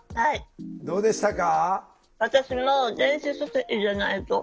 どうでしたか？